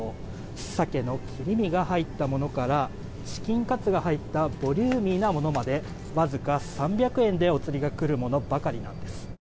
サケの切り身が入ったものからチキンカツが入ったボリューミーなものまでわずか３００円でおつりがくるものばかりなんです。